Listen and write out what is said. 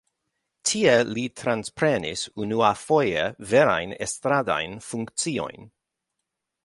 Tie li transprenis unuafoje verajn estradajn funkciojn.